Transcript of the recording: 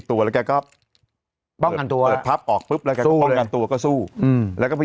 ยังไงยังไงยังไงยังไง